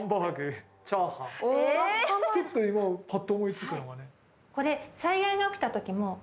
ちょっと今パッと思いついたのがね。